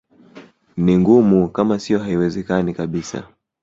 Ni ngumu kama sio haiwezekani kabisa